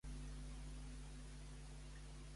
On anaven els arconts, un cop passat aquest temps?